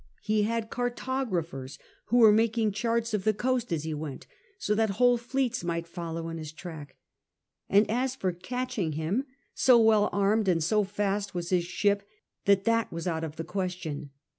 He had cartographers, who were making charts of the coast as he went, so that whole fleets might follow in his track. And as for catching him, so well armed and so fast was his ship that that was out of the question.